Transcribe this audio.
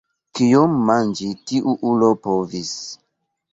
Kiom manĝi tiu ulo povis!